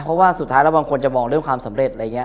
เพราะว่าสุดท้ายแล้วบางคนจะมองเรื่องความสำเร็จอะไรอย่างนี้